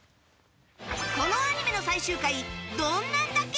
このアニメの最終回どんなんだっけ？